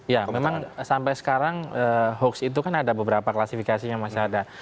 ya memang sampai sekarang hoax itu kan ada beberapa klasifikasinya masih ada